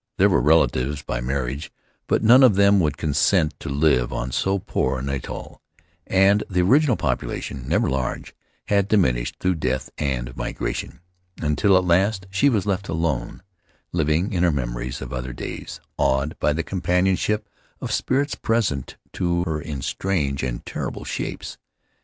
There were relatives by mar riage, but none of them would consent to live on so poor an atoll; and the original population, never large, had diminished, through death and migration, until at last she was left alone, living in her memories of other days, awed by the companionship of spirits present to her in strange and terrible shapes.